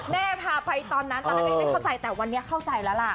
แม่พาไปตอนนั้นตอนนั้นก็ยังไม่เข้าใจแต่วันนี้เข้าใจแล้วล่ะ